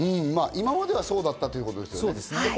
今まではそうだったってことですね。